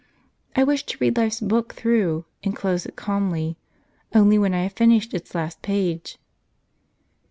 I wish to read life's book through, and close it calmly, only when I have finished its last page."